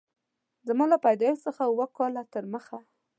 زما له پیدایښت څخه اووه کاله تر مخه